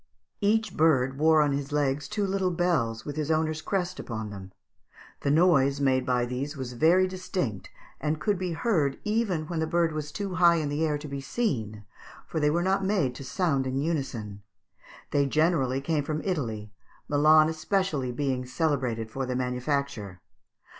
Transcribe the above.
Each bird wore on his legs two little bells with his owner's crest upon them; the noise made by these was very distinct, and could be heard even when the bird was too high in the air to be seen, for they were not made to sound in unison; they generally came from Italy, Milan especially being celebrated for their manufacture.